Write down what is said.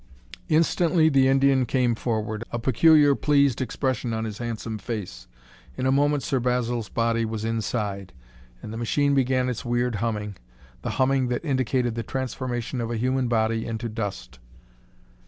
Instantly the Indian came forward, a peculiar, pleased expression on his handsome face. In a moment, Sir Basil's body was inside, and the machine began its weird humming, the humming that indicated the transformation of a human body into dust.